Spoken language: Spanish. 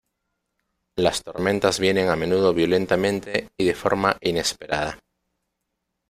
Las tormentas vienen a menudo violentamente y de forma inesperada.